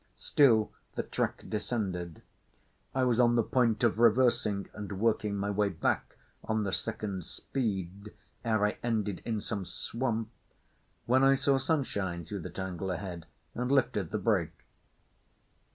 Still the track descended. I was on the point of reversing and working my way back on the second speed ere I ended in some swamp, when I saw sunshine through the tangle ahead and lifted the brake.